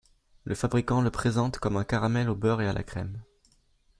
Le fabricant le présente comme un caramel au beurre et à la crème.